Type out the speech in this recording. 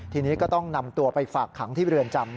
ทีนี้ก็ต้องนำตัวไปฝากขังที่เรือนจำ